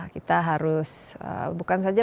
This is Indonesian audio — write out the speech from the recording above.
kita harus bukan saja